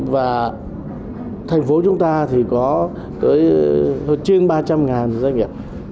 và thành phố chúng ta thì có trên ba trăm linh doanh nghiệp